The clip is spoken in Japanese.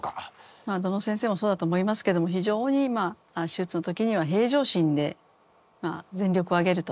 まあどの先生もそうだと思いますけども非常に手術の時には平常心で全力を挙げると。